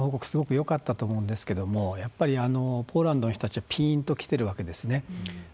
すごくよかったと思うんですけどやっぱり、ポーランドの人たちはピンときてるわけですね。